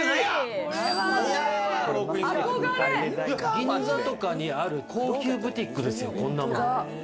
銀座とかにある高級ブティックですよ、こんなの。